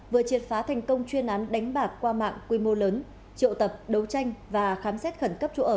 vừa triệt phá thành công chuyên án đánh bạc qua mạng quy mô lớn triệu tập đấu tranh và khám xét khẩn cấp chỗ ở